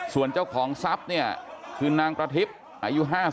ส่วนเจ้าของทรัพย์คือนางประทิบอายุ๕๐